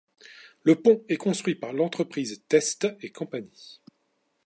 Le pont est construit par l'entreprise Teste et compagnie.